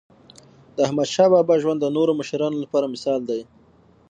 داحمدشاه بابا ژوند د نورو مشرانو لپاره مثال دی.